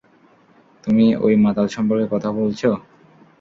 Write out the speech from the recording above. তুমি ওই মাতাল সম্পর্কে কথা বলছো?